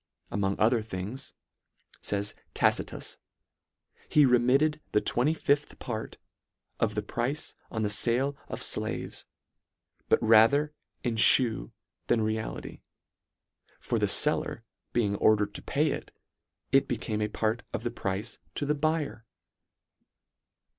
Among other things, fays b Tacitus, " he remitted the twenty fifth " part of the price on the fale of Haves, " but rather in fhew than reality ; for the " feller being ordered to pay it, it became " a part of the price to the buyer."